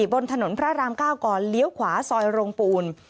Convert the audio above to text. บนถนนพระราม๙ก่อนเลี้ยวขวาซอยโรงปูน